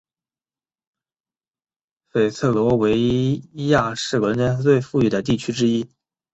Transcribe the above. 菲茨罗维亚是伦敦最富裕的地区之一。